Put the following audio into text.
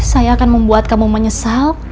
saya akan membuat kamu menyesal